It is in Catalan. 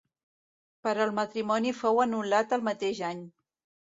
Però el matrimoni fou anul·lat el mateix any.